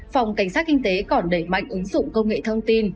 phòng cảnh sát kinh tế còn đẩy mạnh ứng dụng công nghệ thông tin